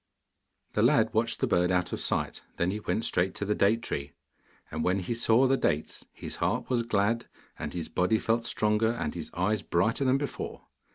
The lad watched the bird out of sight; then he went straight to the date tree. And when he saw the dates his heart was glad, and his body felt stronger and his eyes brighter than before.